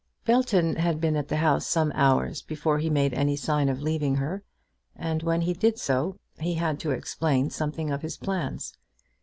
Belton had been at the house some hours before he made any sign of leaving her, and when he did so he had to explain something of his plans.